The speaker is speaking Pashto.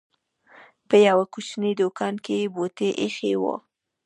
په يوه کوچنۍ دوکان کې یې بوټي اېښي وو.